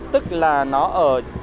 tức là nó ở